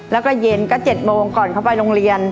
แล้วก็เย็นก็๗โมงก่อนเขาไปโรงเรียน